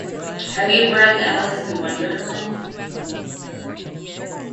Have you read Alice in Wonderland?